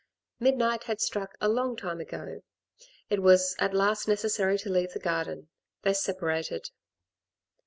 Midnight had struck a long timo ago ; it was at last neces sary to leave the garden ; they separated.